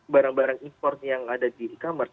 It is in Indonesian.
barang barang import yang ada di e commerce